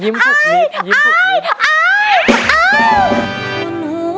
ยิ้มคุกนี้ยิ้มคุกนี้